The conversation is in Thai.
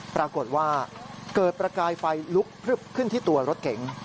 ปรากฏว่าเกิดประกายไฟลุกพลึบขึ้นที่ตัวรถเก๋ง